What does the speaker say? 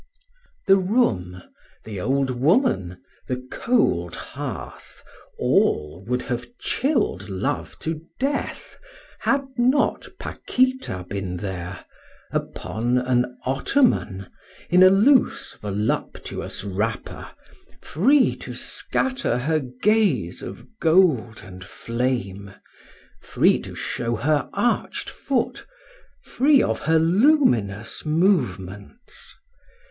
The room, the old woman, the cold hearth, all would have chilled love to death had not Paquita been there, upon an ottoman, in a loose voluptuous wrapper, free to scatter her gaze of gold and flame, free to show her arched foot, free of her luminous movements.